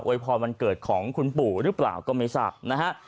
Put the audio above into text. พรวันเกิดของคุณปู่หรือเปล่าก็ไม่ทราบนะฮะ